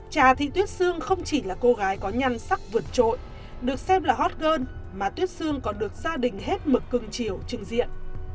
trà thị tuyết sương không chỉ là cô gái có nhan sắc vượt trội được xem là hot girl mà tuyết sương còn được gia đình hết mực cưng chiều trừng diện